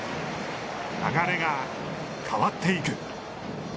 流れが変わっていく。